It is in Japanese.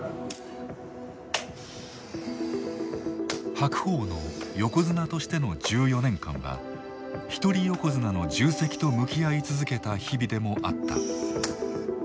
白鵬の横綱としての１４年間は一人横綱の重責と向き合い続けた日々でもあった。